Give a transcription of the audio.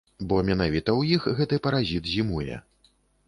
Бо менавіта ў іх гэты паразіт зімуе.